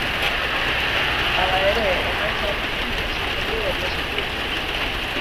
Hala ere, emaitza honekin ezin dugu erlaxatu.